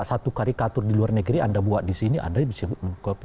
satu karikatur di luar negeri anda buat di sini anda disebut kopi